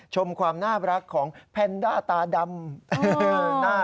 ชมความน่ารักของแพนด้าตาดำ